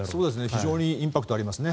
非常にインパクトがありますね。